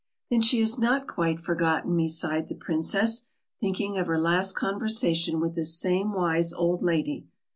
"Then she has not quite forgotten me," sighed the princess, thinking of her last conversation with this same wise old lady.